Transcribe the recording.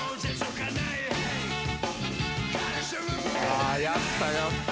あやったやった。